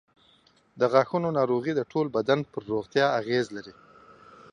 د غاښونو ناروغۍ د ټول بدن پر روغتیا اغېز لري.